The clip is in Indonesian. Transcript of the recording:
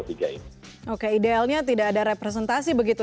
jadi memang lolos karena punya integritas dan juga apa namanya kapabilitas begitu